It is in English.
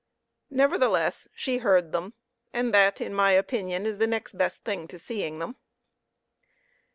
Nevertheless, she heard them, and that, in my opinion, is the next best thing to seeing them.